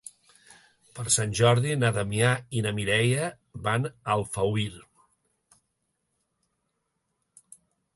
Per Sant Jordi na Damià i na Mireia van a Alfauir.